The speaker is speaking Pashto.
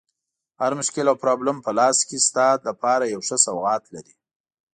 هر مشکل او پرابلم په لاس کې ستا لپاره یو ښه سوغات لري.